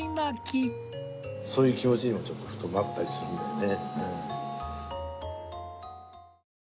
そういう気持ちにもちょっとふとなったりするんだよね。